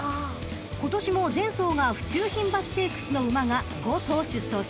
［今年も前走が府中牝馬ステークスの馬が５頭出走します］